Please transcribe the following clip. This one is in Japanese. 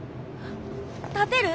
立てる？